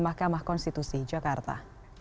mahkamah konstitusi jakarta